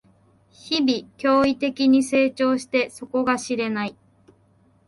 日々、驚異的に成長して底が知れない